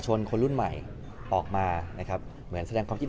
ในอนาคตเราจะเต็มโตมากกว่าเราจะต้องตัด